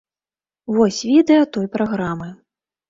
Вось відэа той праграмы.